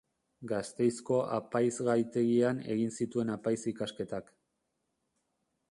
Gasteizko apaizgaitegian egin zituen apaiz ikasketak.